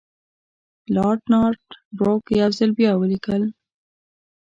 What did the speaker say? لارډ نارت بروک یو ځل بیا ولیکل.